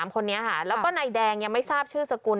คนนี้ค่ะแล้วก็นายแดงยังไม่ทราบชื่อสกุล